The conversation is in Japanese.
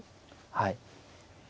はい。